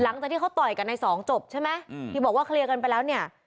หลังจากที่เขาต่อยกับนายสองจบใช่ไหมอืมที่บอกว่าเคลียร์กันไปแล้วเนี่ย